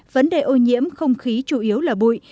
vấn đề ô nhiễm không khí chủ yếu là bụi